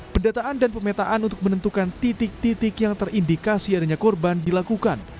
pendataan dan pemetaan untuk menentukan titik titik yang terindikasi adanya korban dilakukan